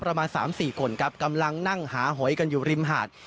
ประมาณ๓๔คนกำลังนั่งหาหอยกันอยู่ริมหาด